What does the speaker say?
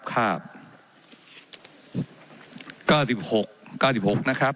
ว่าการกระทรวงบาทไทยนะครับ